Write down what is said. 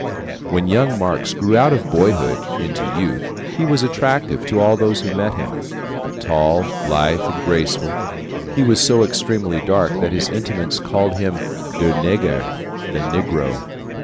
When young Marx grew out of boyhood into youth, he was attractive to all those who met him. Tall, lithe, and graceful, he was so extremely dark that his intimates called him "der neger" "the negro."